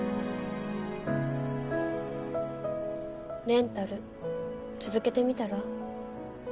レンタル続けてみたら？